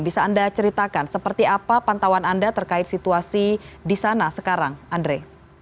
bisa anda ceritakan seperti apa pantauan anda terkait situasi di sana sekarang andre